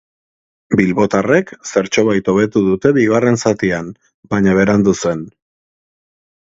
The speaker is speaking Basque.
Bilbotarrek zertxobait hobetu dute bigarren zatian, baina berandu zen.